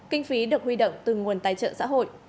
kinh phí được huy động từ nguồn tài trợ xã hội